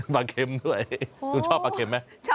ปลาเข็มด้วยคุณชอบปลาเข็มไหม